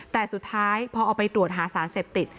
แต่สุดท้ายพอเอาไปตรวจหาสารเสพติด